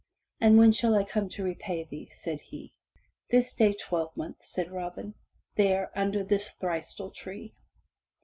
"And when shall I come to repay thee?'' said he. "This day twelvemonth," said Robin, "here under this trystel tree."